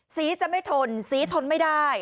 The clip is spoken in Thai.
ศรีจะไม่ทนศรีทนไม่ได้